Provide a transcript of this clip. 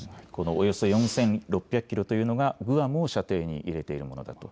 およそ４６００キロというのがグアムを射程に入れてているものだと？